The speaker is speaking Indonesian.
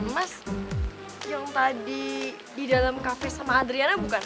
mas yang tadi di dalam kafe sama adriana bukan